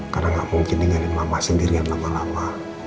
karena gak mungkin ninggalin mama sendiri yang lama lama